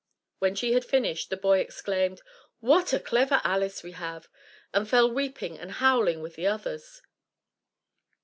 When she had finished, the boy exclaimed, "What a clever Alice we have!" and fell weeping and howling with the others.